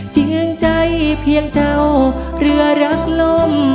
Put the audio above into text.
จริงใจเพียงเจ้าเรือรักลม